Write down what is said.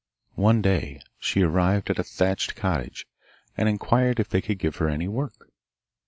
One day she arrived at a thatched cottage, and inquired if they could give her any work.